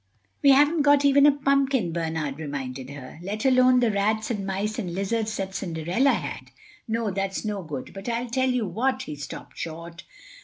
"We haven't got even a pumpkin," Bernard reminded her, "let alone the rats and mice and lizards that Cinderella had. No, that's no good. But I'll tell you what." He stopped short.